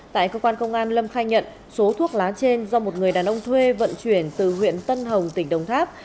tại cơ quan công an lâm khai nhận số thuốc lá trên do một người đàn ông thuê vận chuyển từ huyện tân hồng tỉnh đồng tháp